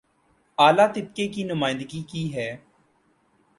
اعلی طبقے کی نمائندگی کی ہے